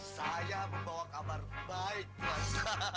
saya membawa kabar baik mas